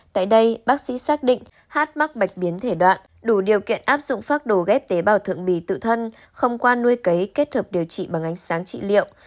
tại đây bác sĩ xác định hát mắc bạch biến thể đoạn đủ điều kiện áp dụng phác đồ ghép tế bào thượng bì tự thân không qua nuôi cấy kết hợp điều trị bằng ánh sáng trị liệu